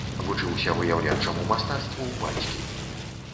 Вучыўся выяўленчаму мастацтву ў бацькі.